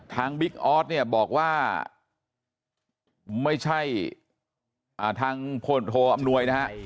บิ๊กออสเนี่ยบอกว่าไม่ใช่ทางพลโทอำนวยนะฮะ